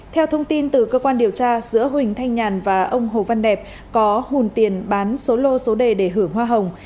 theo thông tin từ cơ quan điều tra giữa huỳnh thanh nhàn và ông hồ văn đẹp có hùn tiền bán số lô số đề để hưởng hoa hồng